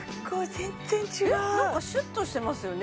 全然違うえっ何かシュッとしてますよね